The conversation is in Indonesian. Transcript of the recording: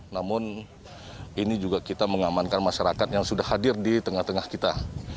namun ini juga kita mengamankan masyarakat yang sudah hadir di tengah tengah kita